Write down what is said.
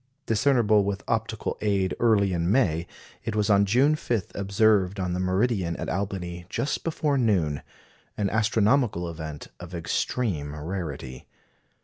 Discernible with optical aid early in May, it was on June 5 observed on the meridian at Albany just before noon an astronomical event of extreme rarity.